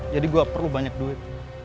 jadi gue perlu banyak duit